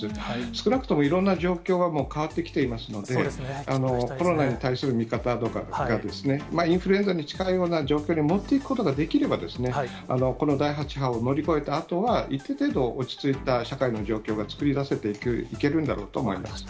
少なくともいろんな状況は変わってきていますので、コロナに対する見方が、インフルエンザに近いような状況に持っていくことができれば、この第８波を乗り越えたあとは、一定程度、落ち着いた社会の状況が作り出せていけるんだろうと思います。